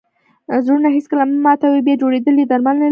زړونه هېڅکله مه ماتوئ! بیا جوړېدل ئې درمل نه لري.